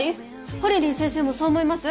ほりりん先生もそう思います？